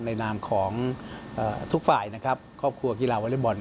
ในนามของทุกฝ่ายครอบครัวกีฬาวะเร็บบอล